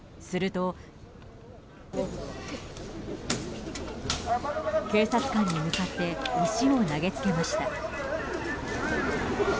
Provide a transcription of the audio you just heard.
すると、警察官に向かって石を投げつけました。